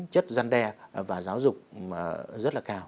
chất gian đe và giáo dục rất là cao